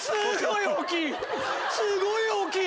すごい大きい。